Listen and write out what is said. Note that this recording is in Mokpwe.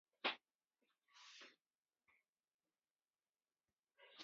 I okòwà ndi è mbɔrzi yà mòkpè, merzɔŋgi nà è mbɔrzi yà mòkala.